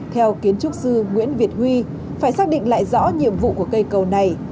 theo kiến trúc sư nguyễn việt huy phải xác định lại rõ nhiệm vụ của cây cầu này